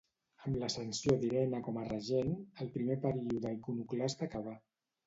Amb l'ascensió d'Irene com a regent, el primer període iconoclasta acabà.